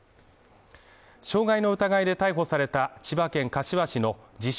傷害の疑いで逮捕された千葉県柏市の自称